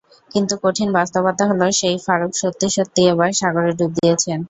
কিন্তু কঠিন বাস্তবতা হলো, সেই ফারুক সত্যি সত্যি এবার সাগরে ডুব দিয়েছেন।